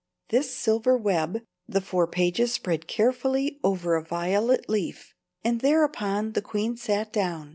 This silver web the four pages spread carefully over a violet leaf, and thereupon the queen sat down.